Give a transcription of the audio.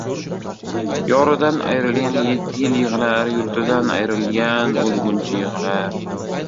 Yoridan ayrilgan yetti yil yig'lar, Yurtidan ayrilgan o'lguncha yig'lar.